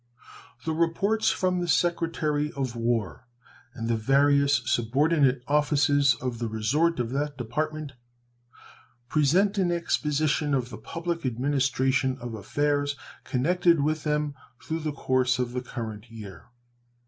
The reports from the Secretary of War and the various subordinate offices of the resort of that Department present an exposition of the public administration of affairs connected with them through the course of the current year.